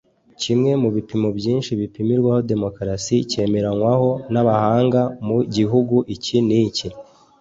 Kimwe mu bipimo byinshi bipimirwaho demokarasi cyemeranywaho n’abahanga mu gihugu iki n’iki